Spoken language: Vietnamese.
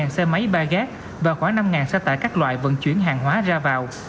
một xe máy ba gác và khoảng năm xe tải các loại vận chuyển hàng hóa ra vào